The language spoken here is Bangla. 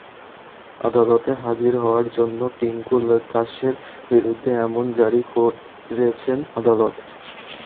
আদালতে হাজির হওয়ার জন্য টিংকু দাশের বিরুদ্ধে সমন জারি করেছেন আদালত।